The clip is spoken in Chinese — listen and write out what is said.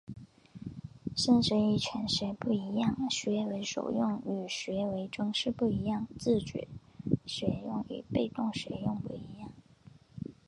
深学与浅学不一样、学为所用与学为‘装饰’不一样、自觉学用与被动学用不一样